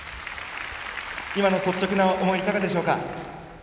今の率直な思いいかがでしょうか。